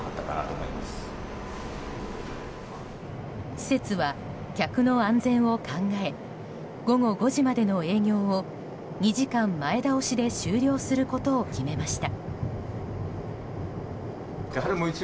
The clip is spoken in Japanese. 施設は客の安全を考え午後５時までの営業を２時間前倒しで終了することを決めました。